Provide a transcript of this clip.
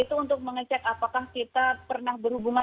itu untuk mengecek apakah kita pernah berhubungan